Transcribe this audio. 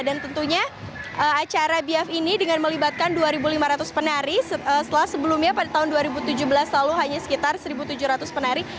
tentunya acara biaf ini dengan melibatkan dua lima ratus penari setelah sebelumnya pada tahun dua ribu tujuh belas lalu hanya sekitar satu tujuh ratus penari